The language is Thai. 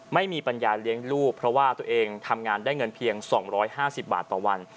ไม่มีปัญญาเลี้ยงลูกเพราะว่าตัวเองทำงานได้เงินเพียง๒๕๐บาทต่อวัน